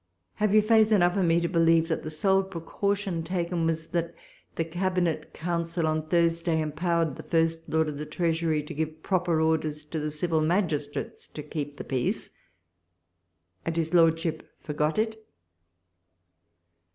Have you faith enough in me to believe that the sole precaution taken was, that the Cabinet Council on Thursday empowered the First Lord of the Treasury to give proper orders to the civil magistrates to keep the peace, — and his Lordship forgot it